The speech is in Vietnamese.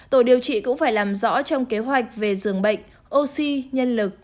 tổ điều trị cũng phải làm rõ trong kế hoạch về dường bệnh oxy nhân lực